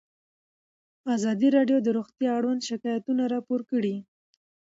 ازادي راډیو د روغتیا اړوند شکایتونه راپور کړي.